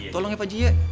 tolong ya pak aji ya